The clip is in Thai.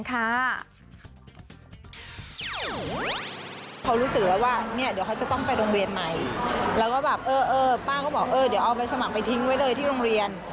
เขารู้สึกแล้วว่าเนี่ยเดี๋ยวเขาจะต้องไปโรงเรียนใหม่แล้วก็แบบเออป้าก็บอกเออเดี๋ยวเอาไปสมัครไปทิ้งไว้เลยที่โรงเรียน